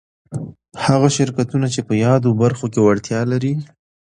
هغه شرکتونه چي په يادو برخو کي وړتيا ولري